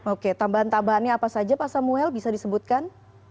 oke tambahan tambahannya apa saja pak samuel bisa disebutkan